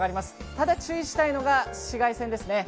ただ、注意したいのが紫外線ですね